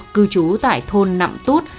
cư trú tại thôn nặm tút